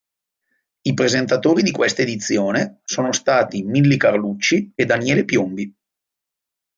I presentatori di questa edizione sono stati Milly Carlucci e Daniele Piombi.